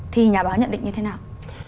thì nhà báo nhận định như thế nào